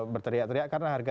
berteriak teriak karena harga